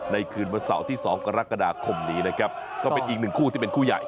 คืนวันเสาร์ที่๒กรกฎาคมนี้นะครับก็เป็นอีกหนึ่งคู่ที่เป็นคู่ใหญ่